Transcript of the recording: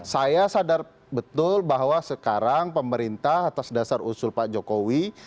saya sadar betul bahwa sekarang pemerintah atas dasar usul pak jokowi